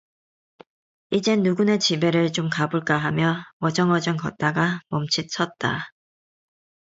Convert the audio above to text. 이젠 누구네 집에를 좀 가볼까 하며 어정어정 걷다가 멈칫 섰다.